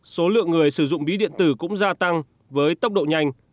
số lượng người sử dụng bí điện tử cũng gia tăng với tốc độ nhanh